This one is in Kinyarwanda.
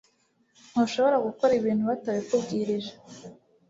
Ntushobora gukora ibintu batabikubwirije